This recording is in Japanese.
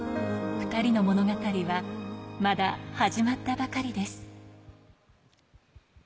２人の物語はまだ始まったばかりです。